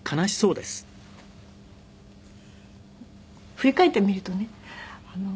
振り返ってみるとね